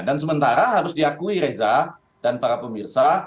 dan sementara harus diakui reza dan para pemirsa